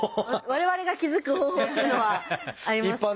我々が気付く方法っていうのはありますか？